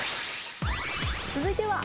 続いては。